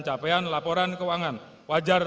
capaian laporan keuangan wajar